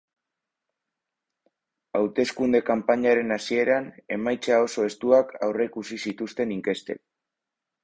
Hauteskunde kanpainaren hasieran, emaitza oso estuak aurreikusi zituzten inkestek.